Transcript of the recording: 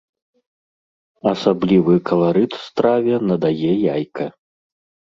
Асаблівы каларыт страве надае яйка.